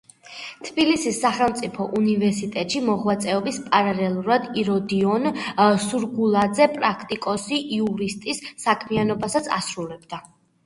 თბილისის სახელმწიფო უნივერსიტეტში მოღვაწეობის პარალელურად იროდიონ სურგულაძე პრაქტიკოსი იურისტის საქმიანობასაც ასრულებდა.